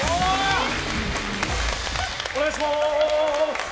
お願いします！